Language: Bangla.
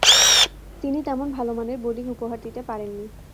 তিনি তেমন ভালোমানের বোলিং উপহার দিতে পারেননি।